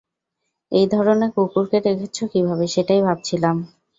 এই ধরণের কুকুরকে রেখেছো কীভাবে সেটাই ভাবছিলাম।